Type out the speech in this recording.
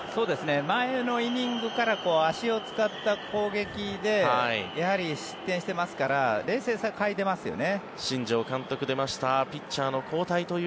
前のイニングから足を使った攻撃でやはり失点してますから冷静さを欠いてますよね。